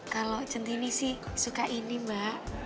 kalau centini sih suka ini mbak